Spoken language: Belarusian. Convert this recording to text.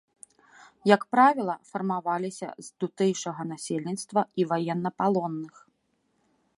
Як правіла, фармаваліся з тутэйшага насельніцтва і ваеннапалонных.